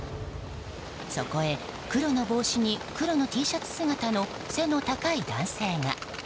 そこへ黒の帽子に黒のＴシャツ姿の背の高い男性が。